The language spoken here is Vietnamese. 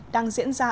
đang diễn ra